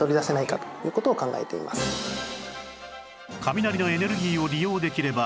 雷のエネルギーを利用できれば一度の落雷で